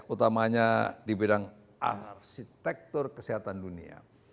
utamanya di bidang arsitektur kesehatan dunia